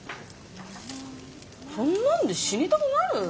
そんなんで死にたくなる？